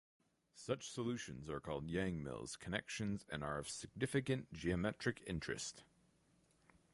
Such solutions are called Yang–Mills connections and are of significant geometric interest.